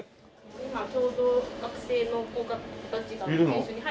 今ちょうど学生の子たちが研修に入って。